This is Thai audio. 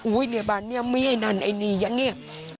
ในบ้านนี้มีไอ้นั่นไอ้นี่อย่างนี้